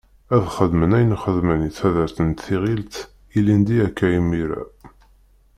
Ad xedmen ayen xedmen i taddart n Tiɣilt ilindi akka imira.